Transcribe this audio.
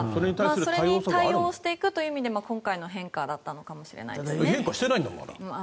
それに対応していく意味でも今回の変化だったのかもしれないですね。